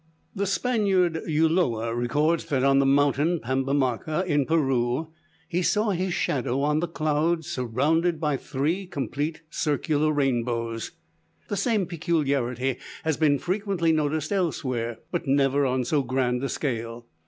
The Spaniard Ulloa records that on the mountain Pambamarca, in Peru, he saw his shadow on the cloud surrounded by three complete circular rainbows. The same peculiarity has been frequently noticed elsewhere, but never on so grand a scale.